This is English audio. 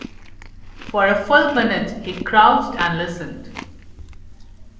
For a full minute he crouched and listened.